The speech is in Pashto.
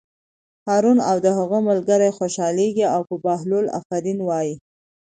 هارون او د هغه ملګري خوشحالېږي او په بهلول آفرین وایي.